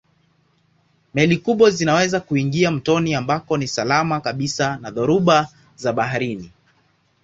Meli kubwa zinaweza kuingia mtoni ambako ni salama kabisa na dhoruba za baharini.